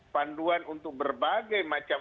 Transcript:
panduan untuk berbagai macam